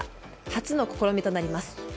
初の試みとなります。